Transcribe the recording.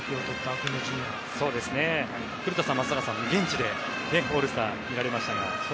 古田さん、松坂さんも現地でオールスターを見られましたが。